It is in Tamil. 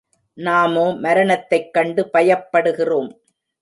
நாமோ மரணத்தைக் கண்டு பயப்படுகிறோம்.